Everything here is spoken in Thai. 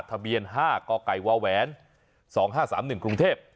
ทะเบียน๕กไก่วาวแหวน๒๕๓๑กรุงเทพฯ